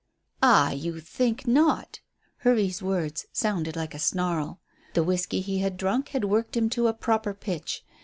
"Ah, you think not." Hervey's words sounded like a snarl. The whisky he had drunk had worked him to a proper pitch.